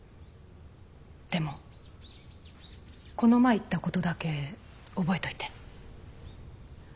でもこの前言ったことだけ覚えといて。